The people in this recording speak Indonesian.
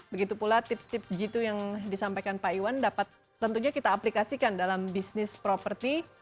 begitu pula tips tips g dua yang disampaikan pak iwan dapat tentunya kita aplikasikan dalam bisnis properti